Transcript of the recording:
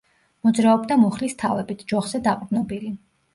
მოძრაობდა მუხლის თავებით, ჯოხზე დაყრდნობილი.